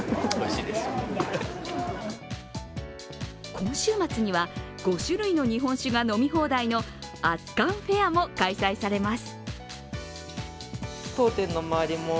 今週末には５種類の日本酒が飲み放題の熱燗フェアも開催されます。